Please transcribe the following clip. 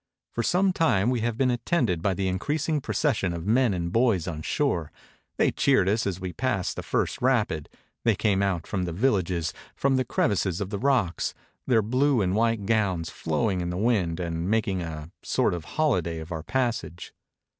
For some time we have been attended by increasing processions of men and boys on shore ; they cheered us as we passed the first rapid ; they came out from the vil lages, from the crevices of the rocks, their blue and white 254 UP THE CATARACTS OF THE NILE gowns flowing in the wind, and make a sort of holiday of our passage.